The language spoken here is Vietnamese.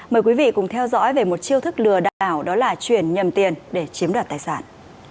mời quý vị cùng theo dõi về một chiêu thức lừa đảo đó là chuyển nhầm tiền để chiếm đoạt tài sản